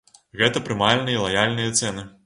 Гэта прымальныя і лаяльныя цэны.